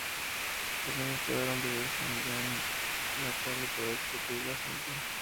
Los niños quedaron en verse con Yani en la tarde, para discutir el asunto.